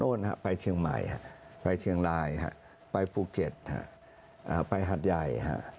ไปเชียงใหม่ไปเชียงรายไปภูเก็ตไปหัดใหญ่